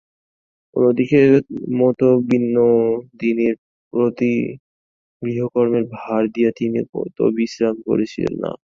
অন্যদিনের মতো বিনোদিনীর প্রতি গৃহকর্মের ভার দিয়া তিনি তো বিশ্রাম করিতেছেন না।